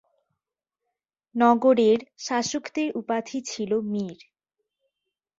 নগরের শাসকদের উপাধি ছিল "মীর"।